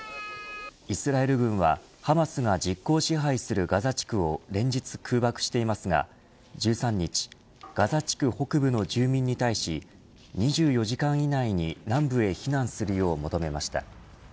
イスラエル軍はハマスが実効支配するガザ地区を連日空爆していますが１３日、ガザ地区北部の住民に対し２４時間以内に南部へ避難するよう求めました。